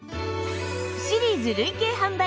シリーズ累計販売